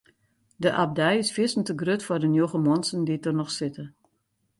De abdij is fierstente grut foar de njoggen muontsen dy't der noch sitte.